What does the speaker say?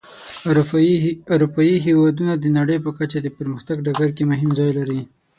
اروپایي هېوادونه د نړۍ په کچه د پرمختګ په ډګر کې مهم ځای لري.